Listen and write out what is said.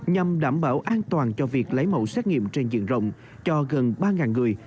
nhằm đảm bảo an toàn cho việc lấy mẫu xét nghiệm trên diện rộng cho gần ba người